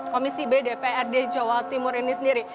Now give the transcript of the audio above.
komisi b dprd jawa timur ini sendiri